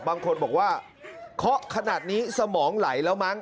บางคนบอกว่าเคาะขนาดนี้สมองไหลแล้วมั้ง